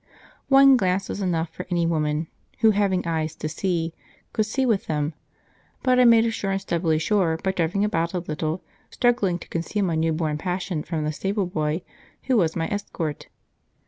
One glance was enough for any woman, who, having eyes to see, could see with them; but I made assurance doubly sure by driving about a little, struggling to conceal my new born passion from the stable boy who was my escort.